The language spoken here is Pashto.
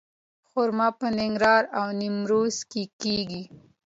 خرما په ننګرهار او نیمروز کې کیږي.